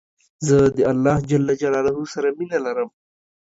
زه د الله ج سره مينه لرم